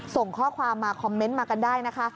ส่งข้อความมาคอมเมนต์มากันได้นะคะ